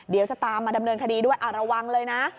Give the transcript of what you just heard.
เดี๋ยวจะตามมาดำเนินคดีด้วยระวังเลยนะ